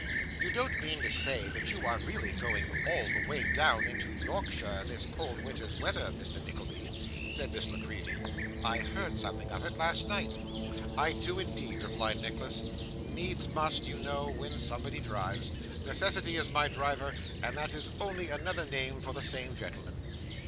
'You don't mean to say that you are really going all the way down into Yorkshire this cold winter's weather, Mr. Nickleby?' said Miss La Creevy. 'I heard something of it last night.' 'I do, indeed,' replied Nicholas. 'Needs must, you know, when somebody drives. Necessity is my driver, and that is only another name for the same gentleman.